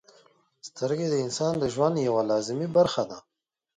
• سترګې د انسان د ژوند یوه لازمي برخه ده.